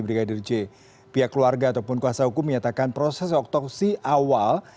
brigadir j pihak keluarga ataupun kuasa hukum menyatakan proses otopsi awal